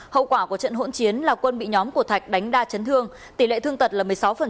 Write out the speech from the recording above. hậu quả của trận hỗn chiến là quân bị nhóm của thạch đánh đa chấn thương tỷ lệ thương tật là một mươi sáu